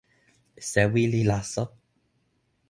sewi li laso.